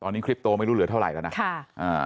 ตอนนี้คริปโตไม่รู้เหลือเท่าไรแล้วนะค่ะอ่า